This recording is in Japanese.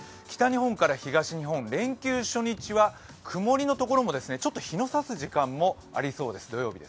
北日本から東日本、連休初日は曇りのところも、ちょっと日の差すところもありそうです。